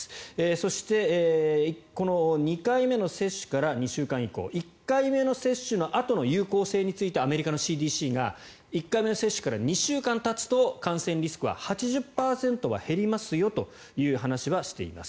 そして、２回目の接種から２週間以降１回目の接種のあとの有効性についてアメリカのＣＤＣが１回目の接種から２週間たつと感染リスクは８０％は減りますよと話はしています。